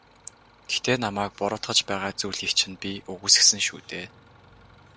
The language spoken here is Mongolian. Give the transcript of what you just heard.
Гэхдээ намайг буруутгаж байгаа зүйлийг чинь би үгүйсгэсэн шүү дээ.